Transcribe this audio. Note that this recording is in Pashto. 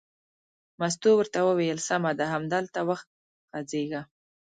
مستو ورته وویل: سمه ده همدلته وغځېږه.